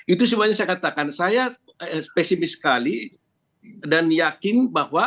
itu semuanya saya katakan saya spesifik sekali dan yakin bahwa